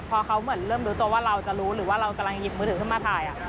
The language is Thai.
พอเขาเหมือนเริ่มรู้ตัวว่าเราจะรู้หรือว่าเรากำลังหยิบมือถือขึ้นมาถ่าย